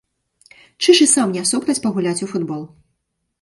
Чыж і сам не супраць пагуляць у футбол.